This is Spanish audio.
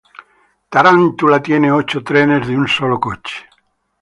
Tarántula tiene ocho trenes de un solo coche.